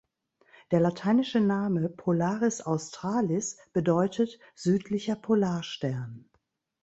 Der lateinische Name Polaris Australis bedeutet „südlicher Polarstern“.